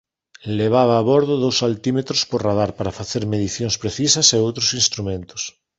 Levaba a bordo dous altímetros por radar para facer medicións precisas e outros instrumentos.